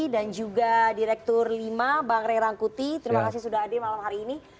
dan juga direktur lima bang rai rangkuti terima kasih sudah ada di malam hari ini